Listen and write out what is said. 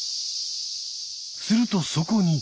するとそこに。